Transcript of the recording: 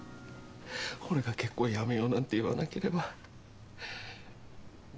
俺が結婚やめようなんて言わなければ。